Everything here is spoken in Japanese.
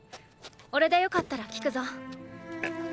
おれでよかったら聞くぞ。